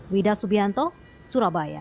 wida subianto surabaya